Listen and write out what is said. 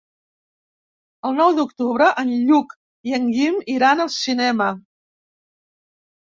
El nou d'octubre en Lluc i en Guim iran al cinema.